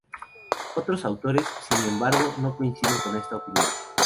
Otros autores, sin embargo, no coinciden con esta opinión.